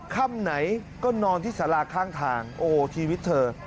ค่ำไหนก็นอนที่สาราข้างทางโอ้โหชีวิตเธอ